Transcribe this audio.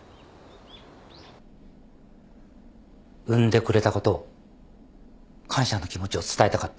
産んでくれたことを感謝の気持ちを伝えたかった。